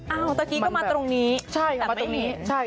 เออตะกี้ก็มาตรงนี้ใช่